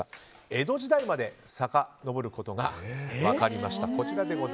江戸時代までさかのぼることが分かりました。